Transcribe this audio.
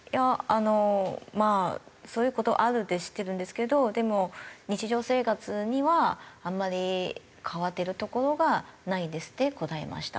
あのまあそういう事あるって知ってるんですけどでも日常生活にはあんまり変わってるところがないですって答えました。